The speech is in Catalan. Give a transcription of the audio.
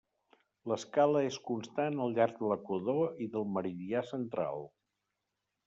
L'escala és constant al llarg de l'Equador i del meridià central.